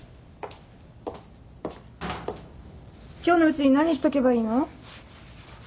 今日のうちに何しとけばいいの？